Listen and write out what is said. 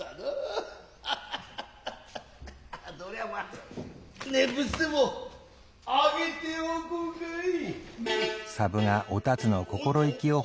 どりゃまあ念仏でも上げておこうかい。